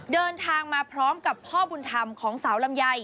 เดินทางมาพร้อมกับพ่อบุญธรรมของสาวลำไย